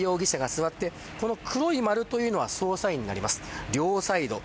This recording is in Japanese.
その前に渡辺容疑者が座って黒い丸というのが捜査員になります。